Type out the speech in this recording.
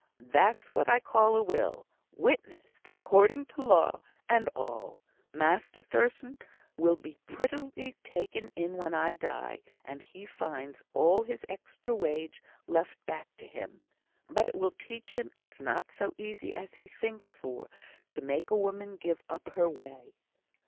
that's what I call a will; witnessed according to law, and all. Master Thurstan will be prettily taken in when I die, and he finds all his extra wage left back to him. But it will teach him it's not so easy as he thinks for, to make a woman give up her way."